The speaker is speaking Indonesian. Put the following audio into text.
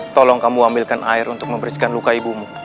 tolong kamu ambilkan air untuk membersihkan luka ibumu